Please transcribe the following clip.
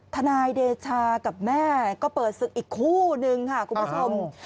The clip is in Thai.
นายเดชากับแม่ก็เปิดศึกอีกคู่นึงค่ะคุณผู้ชม